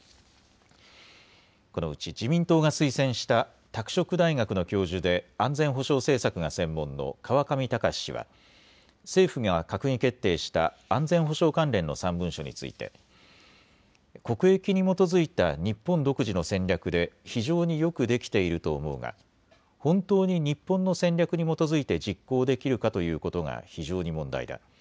このうち自民党が推薦した拓殖大学の教授で安全保障政策が専門の川上高司氏は、政府が閣議決定した安全保障関連の３文書について国益に基づいた日本独自の戦略で非常によくできていると思うが本当に日本の戦略に基づいて実行できるかということが非常に問題だ。